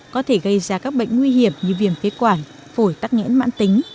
có thể gây ra các bệnh nguy hiểm như viêm phế quản phổi tắc nghẽn mãn tính